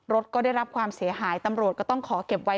รถก็ได้รับความเสียหายตำรวจก็ต้องขอเก็บไว้